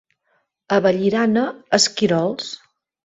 A Vallirana, esquirols.